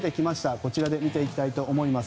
こちらで見ていきたいと思います。